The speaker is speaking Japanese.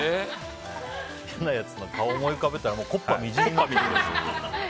嫌なやつの顔を思い浮かべたら木っ端みじんになっちゃう。